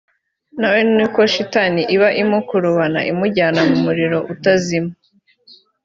na we niko shitani iba irimo kummukurubana imujyana mu muriro utazima